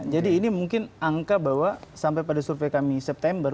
jadi ini mungkin angka bahwa sampai pada survei kami september